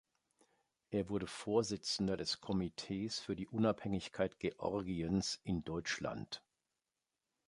Er wurde Vorsitzender des "Komitees für die Unabhängigkeit Georgiens" in Deutschland.